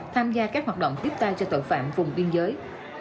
tham gia các hoạt động tiếp tay cho tội phạm vùng biên giới